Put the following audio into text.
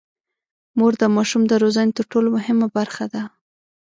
مور د ماشوم د روزنې تر ټولو مهمه برخه ده.